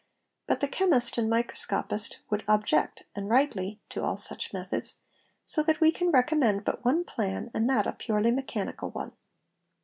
But the chemist and the micros copist would object, and rightly, to all such methods, so that we can recommend but one plan and that a purely mechanical one.